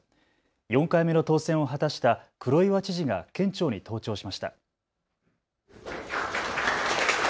４回目の当選を果たした黒岩知事が県庁に登庁しました。